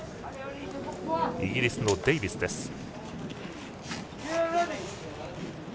イギリスのデイビスです。